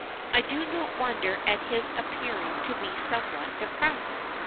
I do not wonder at his appearing to be somewhat depressed.